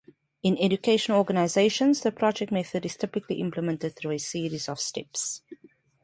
In educational organizations, the project method is typically implemented through a series of steps.